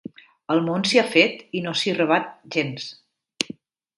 El món s'hi ha fet i no s'hi rebat gens.